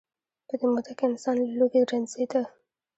په دې موده کې انسان له لوږې رنځیده.